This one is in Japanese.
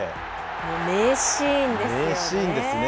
名シーンですよね。